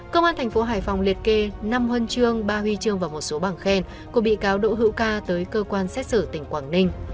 công an thành phố hải phòng liệt kê năm huân chương ba huy chương và một số bằng khen của bị cáo đỗ hữu ca tới cơ quan xét xử tỉnh quảng ninh